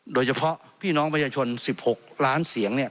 โดยเฉพาะพี่น้องประชาชน๑๖ล้านเสียง